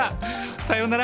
さようなら。